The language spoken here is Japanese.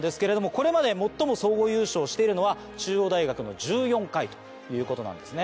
これまで最も総合優勝しているのは中央大学の１４回なんですね。